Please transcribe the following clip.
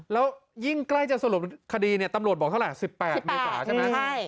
แล้วยิ่งใกล้จะสรุปคดีเนี่ยตำรวจบอกเท่าไหร่๑๘เมษาใช่ไหม